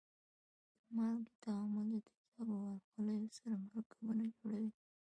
د مالګې تعامل د تیزابو او القلیو سره مرکبونه جوړوي.